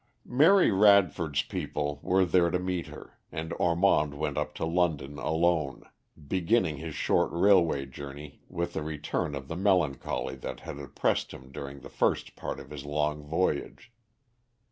Mary Radford's people were there to meet her, and Ormond went up to London alone, beginning his short railway journey with a return of the melancholy that had oppressed him during the first part of his long voyage.